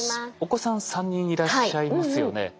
お子さん３人いらっしゃいますよね。